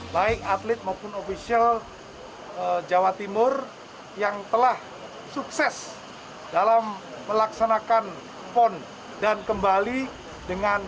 baik atlet maupun ofisial jawa timur yang telah sukses dalam melaksanakan pon dan kembali dengan